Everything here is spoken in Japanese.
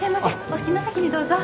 お好きな席にどうぞ。